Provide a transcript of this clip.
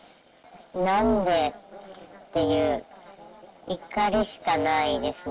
なんでっていう、怒りしかないですね。